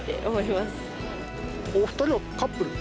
まお２人はカップル？